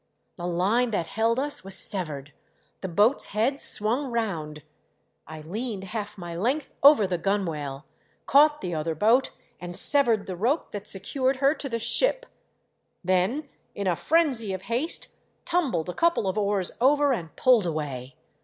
The line that held us was severed ; the boat's head swung round ; I leaned half my length over the gunwale, caught the other boat, and severed the rope that secured her to the ship ; then, in a frenzy of haste, tumbled a couple of oars over and pulled away.